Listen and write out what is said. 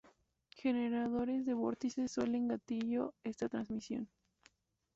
Generadores de vórtices suelen gatillo esta transición.